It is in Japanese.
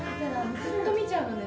ずっと見ちゃうのね。